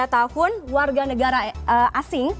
lima puluh tiga tahun warga negara asing